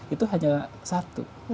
itu hanya satu